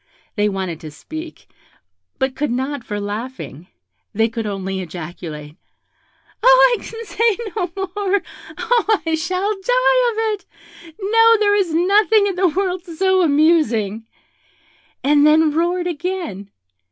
They wanted to speak, but could not for laughing; they could only ejaculate, "Oh, I can say no more!" "Oh, I shall die of it!" "No, there is nothing in the world so amusing!" and then roared again.